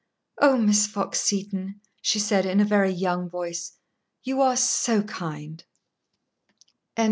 "Oh, Miss Fox Seton," she said, in a very young voice, "you are so kind!"